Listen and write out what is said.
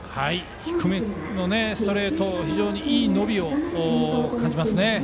低めのストレート非常にいい伸びを感じます。